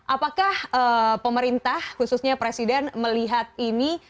apakah pemerintah khususnya presiden melihat ini